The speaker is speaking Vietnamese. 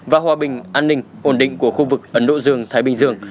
và hòa bình an ninh ổn định của khu vực ấn độ dương thái bình dương